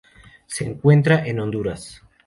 Se encuentra en Honduras.